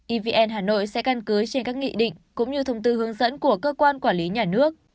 evn hà nội sẽ căn cứ trên các nghị định cũng như thông tư hướng dẫn của cơ quan quản lý nhà nước